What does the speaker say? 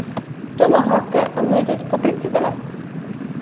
Tomahawke on müüdud ka brittidele.